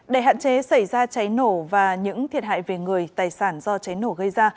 để hạn chế xảy ra cháy nổ và những thiệt hại về người tài sản do cháy nổ gây ra